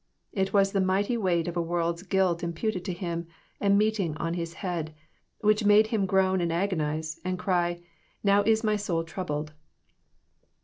It was the mighty weight of a world's guilt imputed to Him and meeting on his head, which made Him groan and agonize, and cry, "Now is my soul troubled."